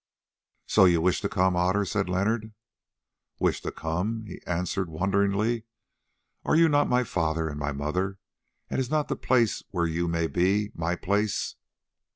"So you wish to come, Otter?" said Leonard. "Wish to come!" he answered wonderingly. "Are you not my father and my mother, and is not the place where you may be my place?